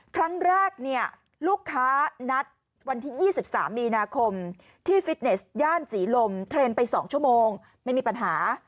ครั้งแรกเนี่ยลูกค้านัดวันที่๒๓มีนาคมที่ฟิตเนสย่านศรีลมเทรนด์ไป๒ชั่วโมงไม่มีปัญหา